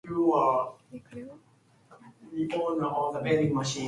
All songs written by Richard Thompson.